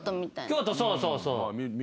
京都そうそうそう。